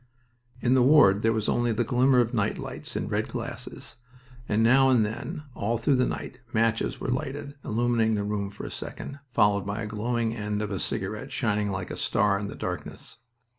In the ward there was only the glimmer of night lights in red glasses, and now and then all through the night matches were lighted, illuminating the room for a second, followed by the glowing end of a cigarette shining like a star in the darkness.